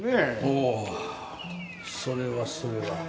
ほうそれはそれは。